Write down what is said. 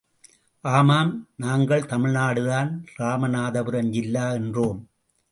ஆமாம் நாங்கள் தமிழ்நாடுதான், ராமநாதபுரம் ஜில்லா என்றோம்.